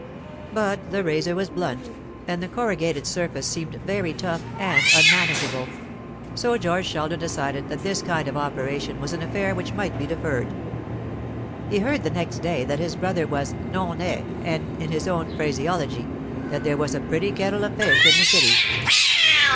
But the razor was blunt, and the corrugated surface seemed very tough and unmanageable; so George Sheldon decided that this kind of operation was an affair which might be deferred. He heard the next day that his brother was non est, and, in his own phraseology, that there was a pretty kettle of fish in the City.